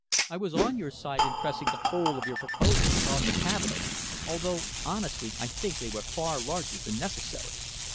I was on your side in pressing the whole of your proposals upon the Cabinet, although honestly I think they were far larger than necessary.